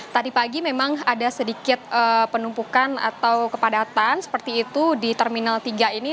tadi pagi memang ada sedikit penumpukan atau kepadatan seperti itu di terminal tiga ini